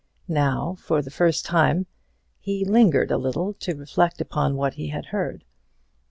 Now, for the first time, he lingered a little to reflect upon what he had heard.